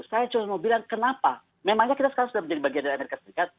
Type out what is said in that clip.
saya cuma mau bilang kenapa memangnya kita sekarang sudah menjadi bagian dari amerika serikat